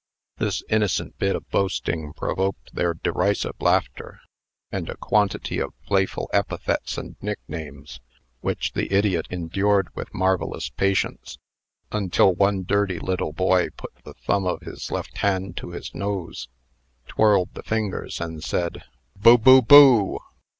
This innocent bit of boasting provoked their derisive laughter, and a quantity of playful epithets and nicknames, which the idiot endured with marvellous patience, until one dirty little boy put the thumb of his left hand to his nose, twirled the fingers, and said, "Boo! boo! boo!"